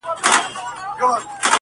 زه اوسېږمه زما هلته آشیانې دي-